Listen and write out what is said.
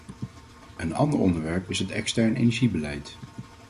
Een ander onderwerp is het extern energiebeleid.